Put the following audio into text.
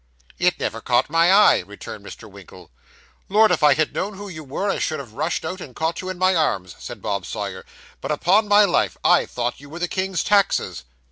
'It never caught my eye,' returned Mr. Winkle. 'Lord, if I had known who you were, I should have rushed out, and caught you in my arms,' said Bob Sawyer; 'but upon my life, I thought you were the King's taxes.